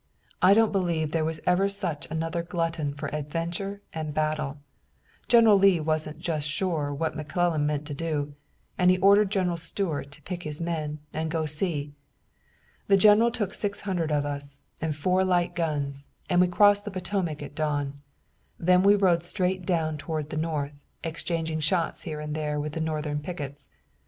I don't believe there was ever such another glutton for adventure and battle. General Lee wasn't just sure what McClellan meant to do, and he ordered General Stuart to pick his men and go see. "The general took six hundred of us, and four light guns, and we crossed the Potomac at dawn. Then we rode straight toward the north, exchanging shots here and there with Northern pickets.